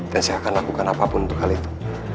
dan saya akan lakukan apapun untuk hal itu